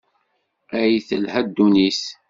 Ay telha ddunit!